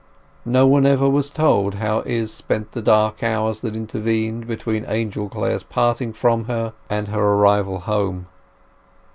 Nobody ever was told how Izz spent the dark hours that intervened between Angel Clare's parting from her and her arrival home.